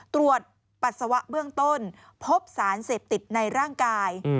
ตรวจปัสสาวะเบื้องต้นพบสารเสพติดในร่างกาย